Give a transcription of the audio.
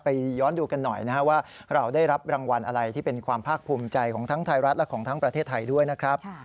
ย้อนดูกันหน่อยนะครับว่าเราได้รับรางวัลอะไรที่เป็นความภาคภูมิใจของทั้งไทยรัฐและของทั้งประเทศไทยด้วยนะครับ